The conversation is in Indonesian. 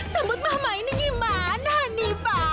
rambut mama ini gimana nih pa